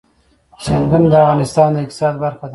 سیندونه د افغانستان د اقتصاد برخه ده.